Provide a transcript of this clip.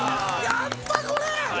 やっぱこれ！